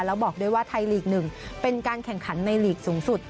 แล้วบอกด้วยว่าไทยลีก๑เป็นการแข่งขันในลีกสูงสุด